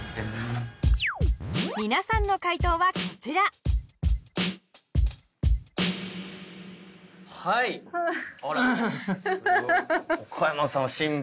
皆さんの回答はこちらはいあら。